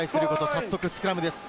早速スクラムです。